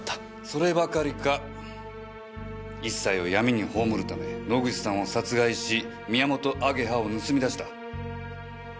そればかりか一切を闇に葬るため野口さんを殺害しミヤモトアゲハを盗み出した。